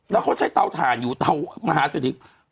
แล้วเขาใช้เตาถ่านอยู่เตามหาเศรษฐี